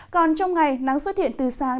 còn trong ngày nắng xuất hiện từ sáng